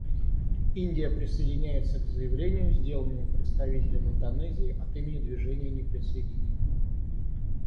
Индия присоединяется к заявлению, сделанному представителем Индонезии от имени Движения неприсоединения.